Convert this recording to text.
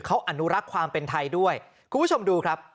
เขาอนุรักษ์ความเป็นไทยด้วยคุณผู้ชมดูครับ